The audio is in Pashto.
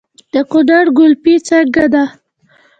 د کونړ ګلپي څنګه ده؟